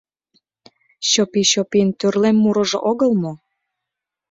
Чопи-чопин тӱрлем мурыжо огыл мо?